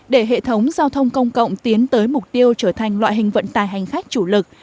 để hệ thống giao thông công cộng tiến tới mục tiêu trở thành loại hình vận tài hành khách chủ lực